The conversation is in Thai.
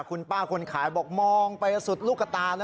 โอ้โฮคุณป้าคุณขายบอกมองไปสุดลูกตา